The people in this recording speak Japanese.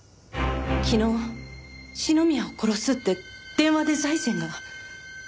昨日「篠宮を殺す」って電話で財前が。